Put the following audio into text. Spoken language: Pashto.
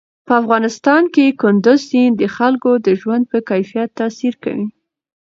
په افغانستان کې کندز سیند د خلکو د ژوند په کیفیت تاثیر کوي.